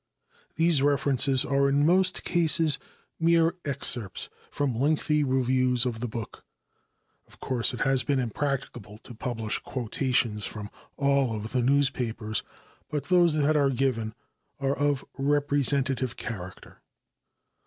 These references are in most cases mere excerpts from lengthy reviews of the book. Of course it has been impracticable to publish quotations from all of the newspapers, but those that are given are of a representative character.